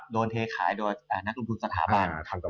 โดนเทขายโดนนักรุงภูมิสถาบัน